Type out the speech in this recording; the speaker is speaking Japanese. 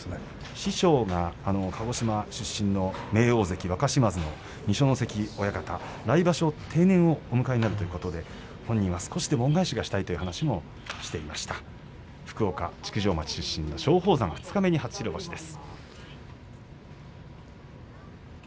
師匠が鹿児島出身の名大関若嶋津の二所ノ関親方、来場所定年をお迎えになるということで本人は少しでも恩返しをしたいという話をしていました福岡築上町出身の松鳳山二日目に初白星です。